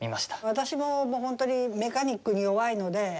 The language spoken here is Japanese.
私ももう本当にメカニックに弱いので。